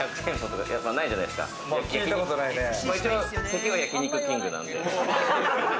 一応、敵は焼肉きんぐなんで。